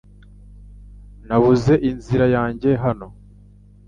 Nabuze inzira yanjye hano .